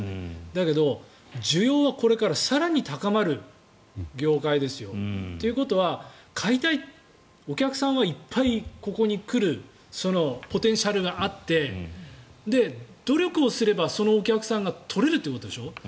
だけど需要はこれから更に高まる業界ですよ。ということは買いたいお客さんはいっぱいここに来るポテンシャルがあって努力をすればそのお客さんが取れるということでしょ。